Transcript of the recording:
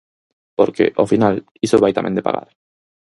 Porque, ao final, isto vai tamén de pagar.